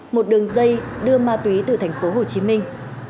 một đường dây đưa ma túy từ thành phố hồ chí minh